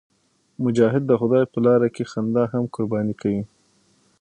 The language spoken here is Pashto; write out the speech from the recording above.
مجاهد د خدای په لاره کې خندا هم قرباني کوي.